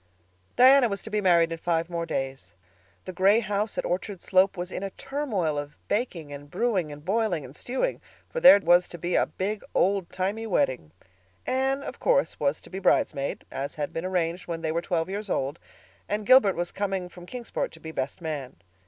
Diana was to be married in five more days. The gray house at Orchard Slope was in a turmoil of baking and brewing and boiling and stewing, for there was to be a big, old timey wedding. Anne, of course, was to be bridesmaid, as had been arranged when they were twelve years old, and Gilbert was coming from Kingsport to be best man.